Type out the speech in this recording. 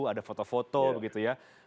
ada foto foto begitu ya